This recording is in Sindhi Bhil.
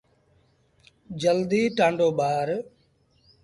جلدي ٽآنڊو ٻآر۔